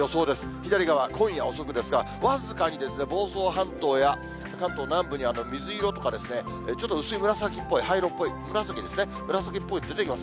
左側、今夜遅くですが、僅かにですね、房総半島や関東南部には水色とかちょっと薄い紫っぽい、灰色っぽい、紫ですね、紫っぽいのが出てきます。